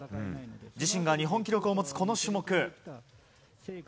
自身が日本記録を持つこの種目。